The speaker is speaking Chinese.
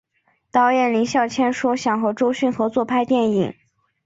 导演林孝谦说想和周迅合作拍电影。